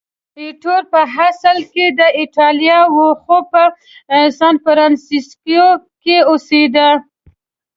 ایټور په اصل کې د ایټالیا و، خو په سانفرانسیسکو کې اوسېده.